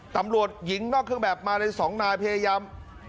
ตำรวจหญิงนอกเครื่องแบบมาเลย๒นายพยายาม